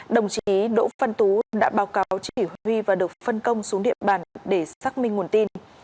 đồng chí đỗ văn tú đã báo cáo chỉ huy và được phân công xuống địa bàn để xác minh nguồn tin